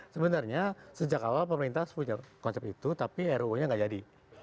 sebenarnya sejak awal pemerintah punya konsep itu tapi ruu nya nggak jadi